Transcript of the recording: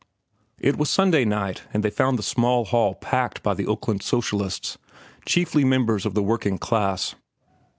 It was Sunday night, and they found the small hall packed by the Oakland socialists, chiefly members of the working class.